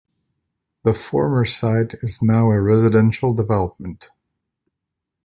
The former site is now a residential development.